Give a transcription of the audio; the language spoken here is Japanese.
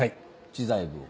知財部を。